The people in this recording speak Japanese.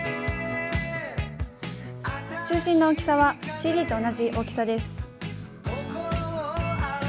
中心の大きさはＣＤと同じ大きさです。